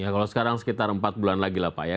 kalau sekarang sekitar empat bulan lagi lah pak ya